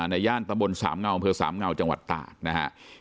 ในย่านตำบลสามเงาบสามเงาจังหวัดต่า